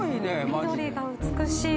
緑が美しい。